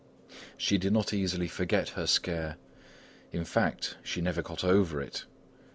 She did not easily forget her scare, in fact, she never got over it.